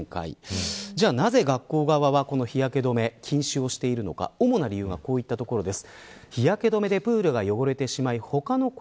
なぜ、学校側は日焼け止めを禁止しているのか主な理由はこういったところです。